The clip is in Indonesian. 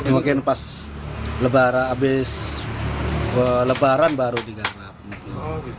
mungkin pas lebaran habis lebaran baru diambil